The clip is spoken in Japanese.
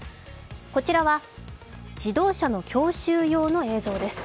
こちらは自動車の教習用の映像です。